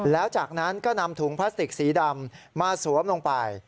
แล้วจากนั้นก็นำถุงพลาสติกสีดำมาสวมลงไป